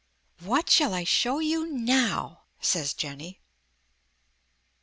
"What shall I show you now?" says Jenny.